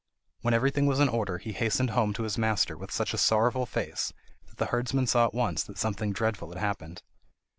When everything was in order, he hastened home to his master with such a sorrowful face that the herdsman saw at once that something dreadful had happened.